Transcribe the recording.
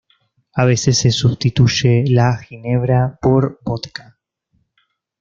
A veces se sustituye la ginebra por vodka.